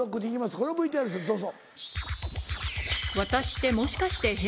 このＶＴＲですどうぞ。